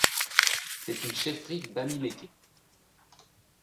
C'est une chefferie Bamiléké.